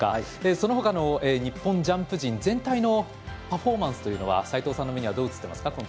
そのほかの日本ジャンプ陣全体のパフォーマンスというのは齋藤さんの目にはどう映っていますか？